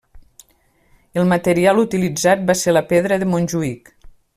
El material utilitzat va ser la pedra de Montjuïc.